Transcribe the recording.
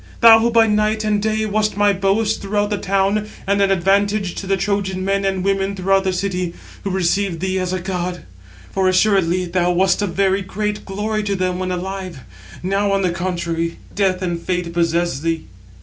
Thou who by night and day wast my boast throughout the town, and an advantage to the Trojan men and women throughout the city, who received thee as a god. For assuredly thou wast a very great glory to them when alive now, on the contrary, death and fate possess thee."